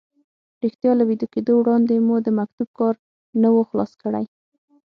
رښتیا له ویده کېدو وړاندې مو د مکتوب کار نه و خلاص کړی.